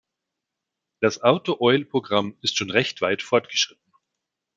Das Auto-Oil-Programm ist schon recht weit fortgeschritten.